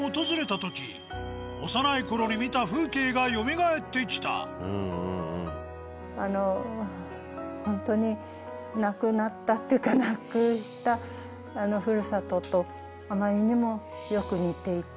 時幼い頃に見た風景がよみがえって来たあのホントになくなったというかなくした古里とあまりにもよく似ていて。